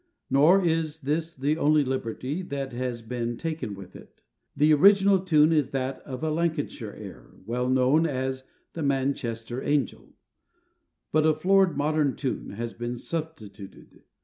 Nor is this the only liberty that his been taken with it. The original tune is that of a Lancashire air, well known as The Manchester Angel; but a florid modern tune has been substituted.